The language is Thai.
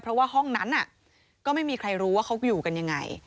เพราะว่าห้องนั้นก็ไม่มีใครรู้ว่าเขาอยู่กันยังไง